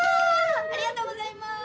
ありがとうございます！